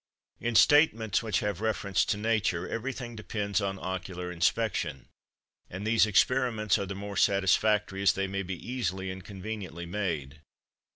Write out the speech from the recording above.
In statements which have reference to nature, everything depends on ocular inspection, and these experiments are the more satisfactory as they may be easily and conveniently made.